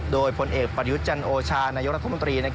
โดยผลเอกประยุทธ์จันโอชานายกรัฐมนตรี